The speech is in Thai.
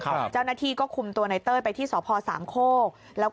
ครับเจ้าหน้าที่ก็คุมตัวนายเต้ยไปที่สภสามโคกแล้ว